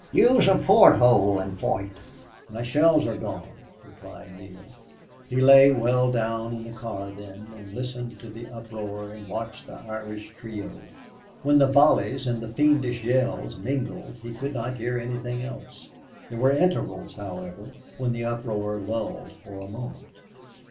"Use a port hole an' foight." "My shells are gone," replied Neale. He lay well down in the car then, and listened to the uproar, and watched the Irish trio. When the volleys and the fiendish yells mingled he could not hear anything else. There were intervals, however, when the uproar lulled for a moment.